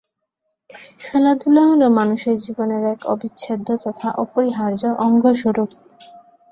খেলাধুলা হল মানুষের জীবনের এক অবিচ্ছেদ্য তথা অপরিহার্য অঙ্গস্বরূপ।